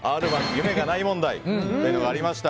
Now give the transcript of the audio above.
夢がない問題というのがありました。